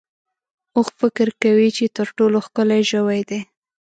اوښ فکر کوي چې تر ټولو ښکلی ژوی دی.